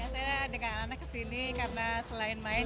saya dengan anak kesini karena selain main